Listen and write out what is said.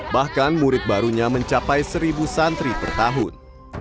bahkan murid barunya mencapai seribu santri per tahun